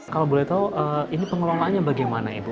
kalau boleh tahu ini pengelolaannya bagaimana ibu